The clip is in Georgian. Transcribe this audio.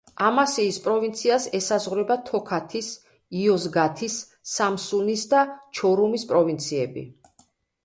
ამასიის პროვინციას ესაზღვრება თოქათის, იოზგათის, სამსუნის და ჩორუმის პროვინციები.